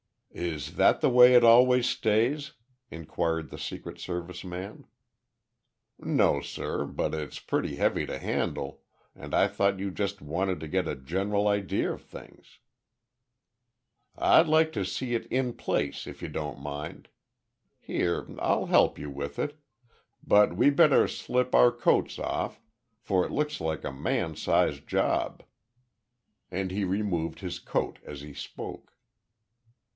"Is that the way it always stays?" inquired the Secret Service man. "No, sir, but it's pretty heavy to handle, and I thought you just wanted to get a general idea of things." "I'd like to see it in place, if you don't mind. Here, I'll help you with it but we better slip our coats off, for it looks like a man's sized job," and he removed his coat as he spoke.